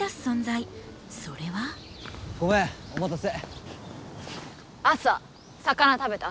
ごめんお待たせ。